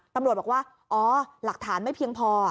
ตำรวจบอกว่าอ๋อหลักฐานไม่เพียงพอ